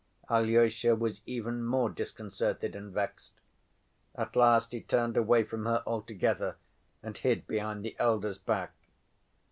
Alyosha was even more disconcerted and vexed. At last he turned away from her altogether and hid behind the elder's back.